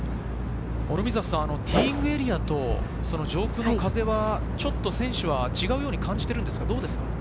ティーイングエリアと上空の風はちょっと選手は違うように感じているんですか？